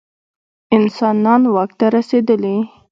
انسانان واک ته رسېدلي.